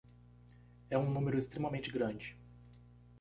É um número extremamente grande